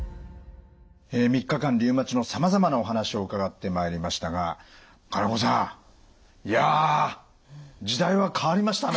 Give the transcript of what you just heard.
３日間リウマチのさまざまなお話を伺ってまいりましたが金子さんいや時代は変わりましたね！